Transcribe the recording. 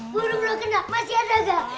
burung buah kena masih ada ga